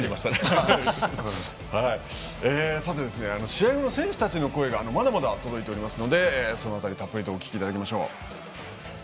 試合後の選手たちの声がまだまだ届いておりますのでコメントをお聞きいただきましょう。